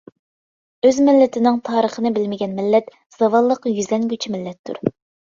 ئۆز مىللىتىنىڭ تارىخىنى بىلمىگەن مىللەت زاۋاللىققا يۈزلەنگۈچى مىللەتتۇر.